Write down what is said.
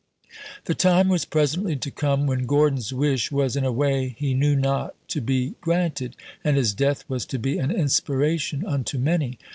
The time was presently to come when Gordon's wish was in a way he knew not to be granted, and his death was to be an inspiration unto many.